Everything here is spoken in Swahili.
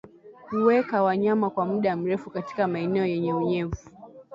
Kuweka wanyama kwa muda mrefu katika maeneo yenye unyevu